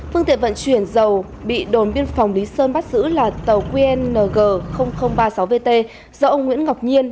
phương tiện vận chuyển dầu bị đồn biên phòng lý sơn bắt giữ là tàu qng ba mươi sáu vt do ông nguyễn ngọc nhiên